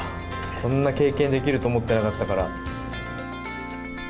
こんな経験できると思ってなかったから。